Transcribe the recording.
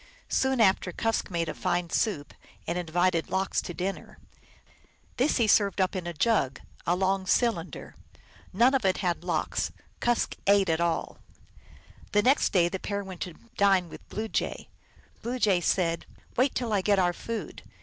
Soon after, Kusk made a fine soup, and invited Lox to dinner. This he served up in a jug, a long cylinder. None of it had Lox. Kusk ate it all. The next day the pair went to dine with Blue Jay. Blue Jay said, " Wait till I get our food."